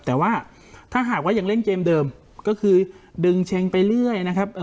แต่ว่าถ้าหากว่ายังเล่นเกมเดิมก็คือดึงเช็งไปเรื่อยนะครับ